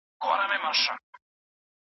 موږ باید د سهار په هوا کې ژور تنفس وکړو.